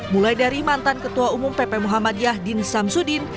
mulai dari mantan ketua umum pp muhammadiyah din samsudin